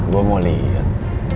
gua mau liat